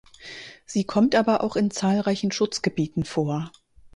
Sie kommt aber auch in zahlreichen Schutzgebieten vor.